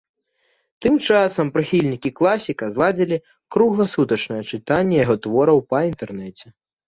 Тым часам прыхільнікі класіка зладзілі кругласутачнае чытанне яго твораў па інтэрнэце.